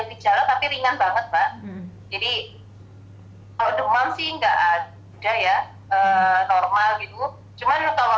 gejala tapi ringan banget pak jadi kalau demam sih enggak ada ya normal gitu cuman kalau